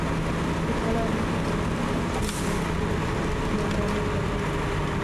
د تالار مخې ته د تېر رژیم لوړ پوړي قوماندان ولاړ وو.